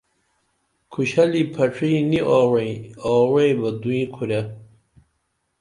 کھوشلی پھڇی نی آوعیی، آوعیی بہ دو کُھرے